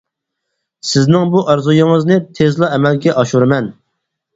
سىزنىڭ بۇ ئارزۇيىڭىزنى تىزلا ئەمەلگە ئاشۇرىمەن.